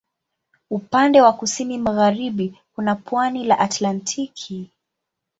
Upande wa kusini magharibi kuna pwani la Atlantiki.